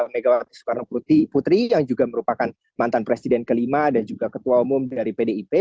megawati soekarnoputri yang juga merupakan mantan presiden ke lima dan juga ketua umum dari pdip